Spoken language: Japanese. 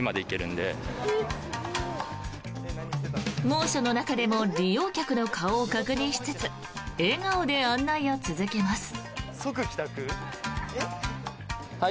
猛暑の中でも利用客の顔を確認しつつ笑顔で案内を続けます。